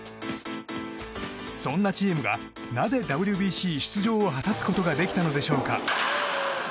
そんなチームがなぜＷＢＣ出場を果たすことができたのでしょうか。